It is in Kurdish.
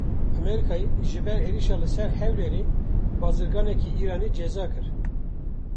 Amerîkayê ji ber êrişa li ser Hewlêrê bazirganekî Îranî ceza kir.